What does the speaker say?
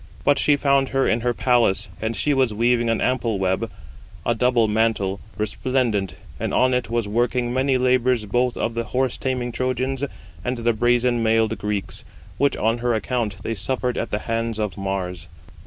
But she found her in her palace, and she was weaving an ample web, a double [mantle], 150 resplendent, and on it was working many labours both of the horse taming Trojans and the brazen mailed Greeks, which on her account they suffered at the hands of Mars.